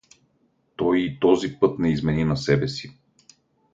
Той и този път не измени на себе си.